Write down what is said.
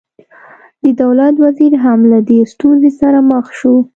د دولت وزیر هم له دې ستونزې سره مخ شو.